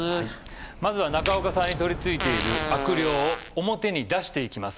まずは中岡さんに取りついている悪霊を表に出していきます